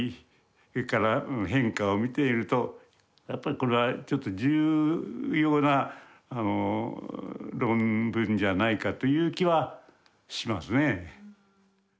それから変化を見ているとやっぱりこれは重要な論文じゃないかという気はしますね。